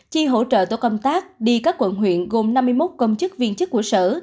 chi hỗ trợ tổ công tác đi các quận huyện gồm năm mươi một công chức viên chức của sở